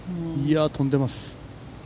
飛んでます。